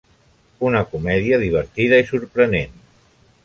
Una comèdia divertida i sorprenent.